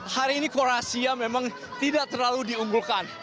hari ini kroasia memang tidak terlalu diunggulkan